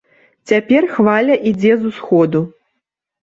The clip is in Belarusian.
Цяпер хваля ідзе з усходу.